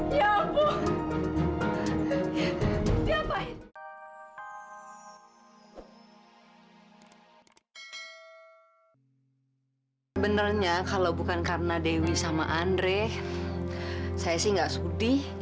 ibu laluan kalau ngomong